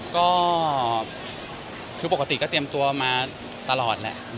ก็ปกติก็เตรียมตัวมาตลอดนะ